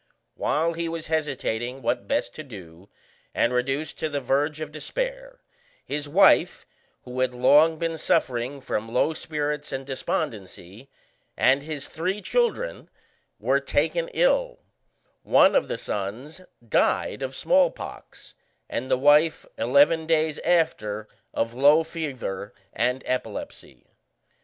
While he was hesitating what best to do, and reduced to the verge of despair, his wife, who had long been suffering from low spirits and despondency, and his three children, were taken ill; one of the sons died of small pox, and the wife eleven days after of low fever and epilepsy.